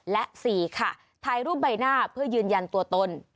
และ๔ค่ะถ่ายรูปใบหน้าเพื่อยืนยันตัวตน